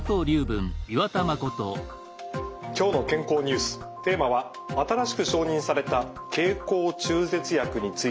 「きょうの健康ニュース」テーマは新しく承認された経口中絶薬についてです。